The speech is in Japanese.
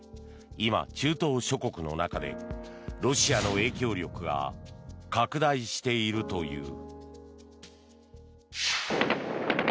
今、中東諸国の中でロシアの影響力が拡大しているという。